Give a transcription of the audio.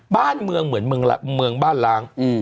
บ้านเมืองเหมือนเมืองบ้านล้าง